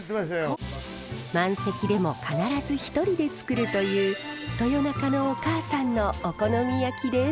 満席でも必ず一人でつくるという豊中のお母さんのお好み焼きです。